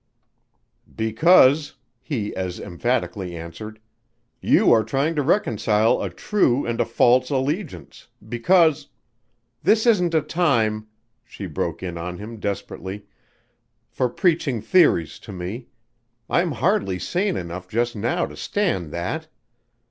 "Because," he as emphatically answered, "you are trying to reconcile a true and a false allegiance because " "This isn't a time," she broke in on him desperately, "for preaching theories to me. I'm hardly sane enough just now to stand that."